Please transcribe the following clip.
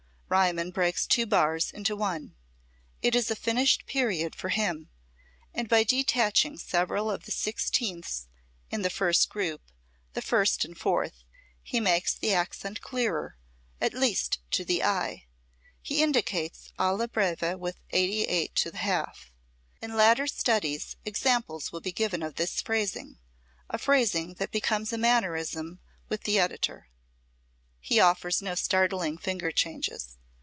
Riemann breaks two bars into one. It is a finished period for him, and by detaching several of the sixteenths in the first group, the first and fourth, he makes the accent clearer, at least to the eye. He indicates alla breve with 88 to the half. In later studies examples will be given of this phrasing, a phrasing that becomes a mannerism with the editor. He offers no startling finger changes.